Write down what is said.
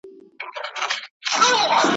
ټول سرونه به پراته وي پر څپړو `